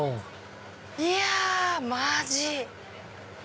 いやマアジ。